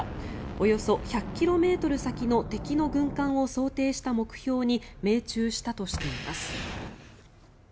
およそ１００ｋｍ先の敵の軍艦を想定した目標に命中したとしています。